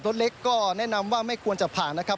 รถเล็กก็แนะนำว่าไม่ควรจะผ่านนะครับ